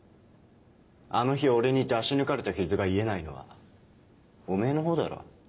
あの日俺に出し抜かれた傷が癒えないのはおめぇのほうだろ。